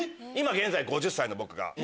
今現在５０歳の僕が。